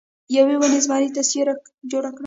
یوې ونې زمري ته سیوری جوړ کړ.